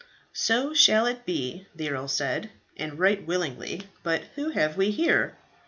"So shall it be," the earl said, "and right willingly. But who have we here?"